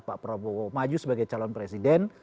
pak prabowo maju sebagai calon presiden